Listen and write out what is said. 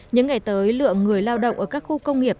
những ngày tới lượng người lao động ở các khu công nghiệp